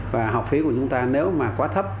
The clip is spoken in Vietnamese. và học phí của chúng ta nếu mà quá thấp